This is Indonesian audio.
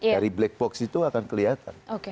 dari black box itu akan kelihatan